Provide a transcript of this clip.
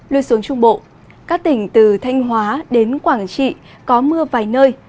lưu xuống trung bộ các tỉnh từ thanh hóa đến quảng trị có mưa vài nơi